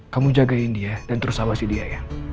kamu jagain dia dan terus sama si dia ya